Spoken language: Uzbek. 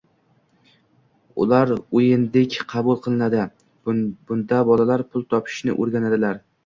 Ular o‘yindek qabul qilinadi, bunda bolalar pul topishni o‘rganadilar